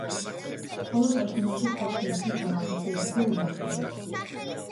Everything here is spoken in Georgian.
ყველა პერსონაჟი ფლობს მისთვის დამახასიათებელ უნარ-ჩვევებს.